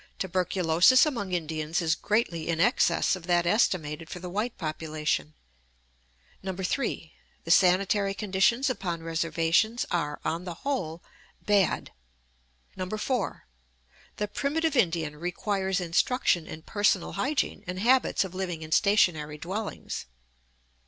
Tuberculosis among Indians is greatly in excess of that estimated for the white population. 3. The sanitary conditions upon reservations are, on the whole, bad. 4. The primitive Indian requires instruction in personal hygiene and habits of living in stationary dwellings.